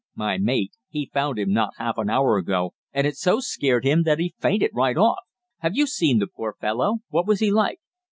My mate he found him not half an hour ago, and it so scared him that he fainted right off." "Have you seen the poor fellow? What was he like?"